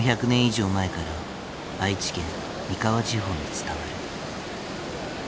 ４００年以上前から愛知県三河地方に伝わる。